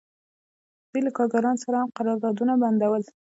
دوی له کارګرانو سره هم قراردادونه بندول